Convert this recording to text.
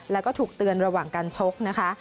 แล้วก็ถูกเตือนระหว่างการชกนะคะ